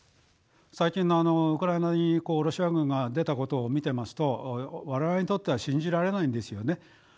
最近のウクライナにロシア軍が出たことを見てますと我々にとっては信じられないんですよね。